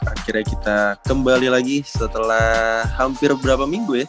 akhirnya kita kembali lagi setelah hampir berapa minggu ya